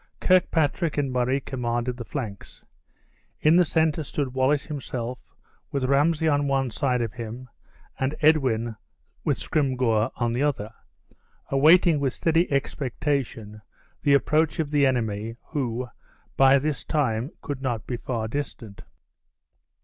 Kirkpatrick and Murray commanded the flanks. In the center stood Wallace himself, with Ramsay on one side of him, and Edwin, with Scrymgeour on the other, awaiting with steady expectation the approach of the enemy, who, by this time, could not be far distant.